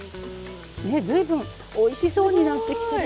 ね随分おいしそうになってきてるよね。